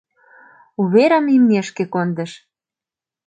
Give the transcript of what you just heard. Уверым имнешке кондыш.